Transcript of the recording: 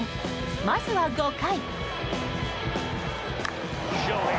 まずは５回。